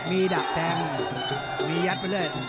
มีดักแทงมียัดไปเลย